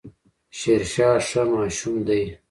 شيرشاه ښه ماشوم دی